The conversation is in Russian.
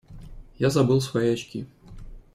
Я забыл свои очки.